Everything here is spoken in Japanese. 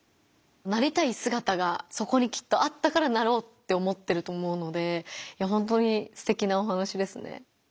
なりたいすがたがそこにきっとあったからなろうって思ってると思うのでほんとにすてきなお話ですね。